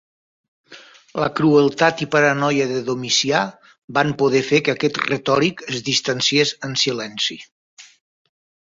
La crueltat i paranoia de Domicià van poder fer que aquest retòric es distanciés en silenci.